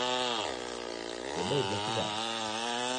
Odeja shighadi.